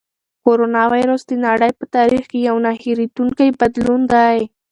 کرونا وېروس د نړۍ په تاریخ کې یو نه هېرېدونکی بدلون دی.